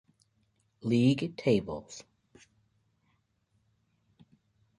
League tables